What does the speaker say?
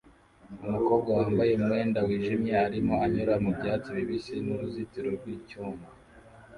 Umukobwa wambaye umwenda wijimye arimo anyura mu byatsi bibisi n'uruzitiro rw'icyuma